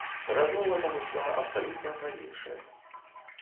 Размова там ішла абсалютна пра іншае.